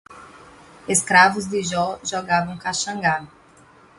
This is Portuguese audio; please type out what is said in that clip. Escravos de Jó jogavam caxangá